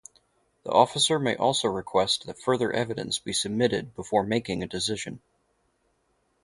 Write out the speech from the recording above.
The officer may also request that further evidence be submitted before making a decision.